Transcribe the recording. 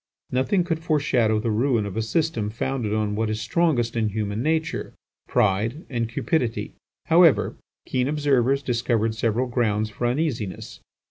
Nothing could foreshadow the ruin of a system founded on what is strongest in human nature, pride and cupidity. However, keen observers discovered several grounds for uneasiness.